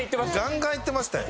ガンガンいってましたよ。